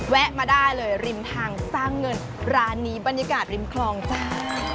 มาได้เลยริมทางสร้างเงินร้านนี้บรรยากาศริมคลองจ้า